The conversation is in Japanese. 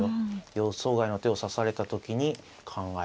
予想外の手を指された時に考えると。